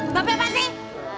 mbak be apaan sih